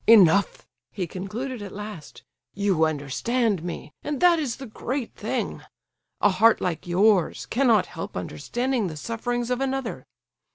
"Enough!" he concluded at last, "you understand me, and that is the great thing. A heart like yours cannot help understanding the sufferings of another.